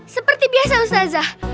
seperti biasa ustazah